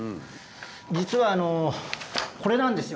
実はこれなんですよ。